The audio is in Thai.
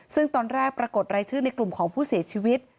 ซึ่งตอนแรกปรากฏรายชื่อในกลุ่มของผู้เสียชีวิต